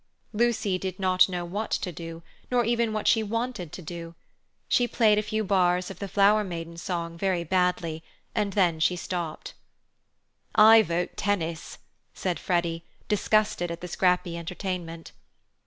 Lucy did not know what to do nor even what she wanted to do. She played a few bars of the Flower Maidens' song very badly and then she stopped. "I vote tennis," said Freddy, disgusted at the scrappy entertainment.